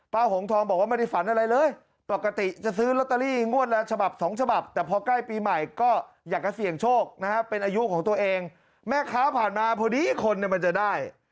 หงทองบอกว่าไม่ได้ฝันอะไรเลยปกติจะซื้อลอตเตอรี่งวดละฉบับสองฉบับแต่พอใกล้ปีใหม่ก็อยากจะเสี่ยงโชคนะฮะเป็นอายุของตัวเองแม่ค้าผ่านมาพอดีคนเนี่ยมันจะได้